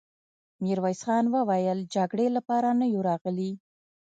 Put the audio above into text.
ميرويس خان وويل: د جګړې له پاره نه يو راغلي!